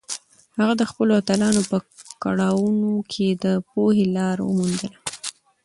هغه د خپلو اتلانو په کړاوونو کې د پوهې لاره موندله.